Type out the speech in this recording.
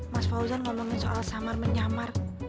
mas fauzan ngomongin soal samar menyamar